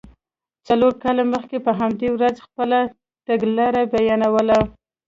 څلور کاله مخکې په همدې ورځ یې خپله تګلاره بیانوله.